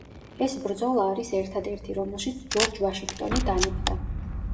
ეს ბრძოლა არის ერთად ერთი რომელშიც ჯორჯ ვაშინგტონი დანებდა.